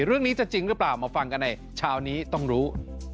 เรื่องนี้จะจริงหรือเปล่ามาฟังกันในเช้านี้ต้องรู้